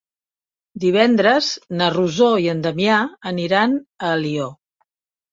Divendres na Rosó i en Damià aniran a Alió.